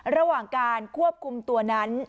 ระหว่างการควบคุมตัวนั้น